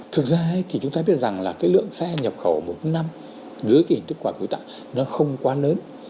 thực ra thì chúng ta biết rằng là cái lượng xe nhập khẩu một năm dưới cái hình thức quà biếu tặng nó không quá lớn